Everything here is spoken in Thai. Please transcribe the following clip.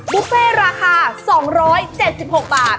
บุฟเฟ่ราคา๒๗๖บาท